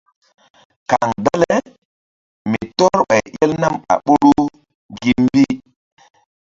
Kaŋ dale mi tɔ́r ɓay el nam a ɓoru gi mbi.